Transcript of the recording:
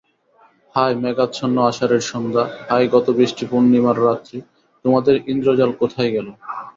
হায় মেঘাচ্ছন্ন আষাঢ়ের সন্ধ্যা, হায় গতবৃষ্টি পূর্ণিমার রাত্রি, তোমাদের ইন্দ্রজাল কোথায় গেল।